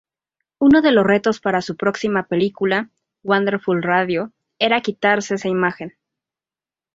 Uno de los retos para su próxima película "Wonderful Radio", era quitarse esa imagen.